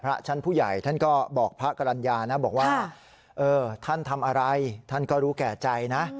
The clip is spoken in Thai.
ชั้นผู้ใหญ่ท่านก็บอกพระกรรณญานะบอกว่าท่านทำอะไรท่านก็รู้แก่ใจนะ